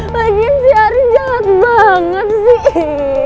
lagian fiatnya jahat banget sih